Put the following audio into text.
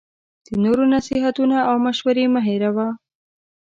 د نورو نصیحتونه او مشوری مه هیروه